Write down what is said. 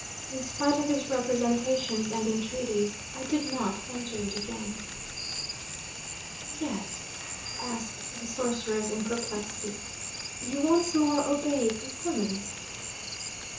In spite of his representations and entreaties, I did not enter it again." "Yet," asked the sorceress in perplexity, "you once more obeyed his summons?"